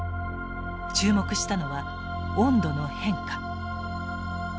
注目したのは温度の変化。